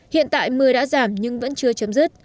hiện tại mưa đã giảm nhưng vẫn chưa chấm dứt